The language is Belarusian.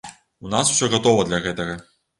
У нас усё гатова для гэтага.